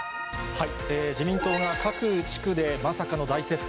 自民党が各地区でまさかの大接戦。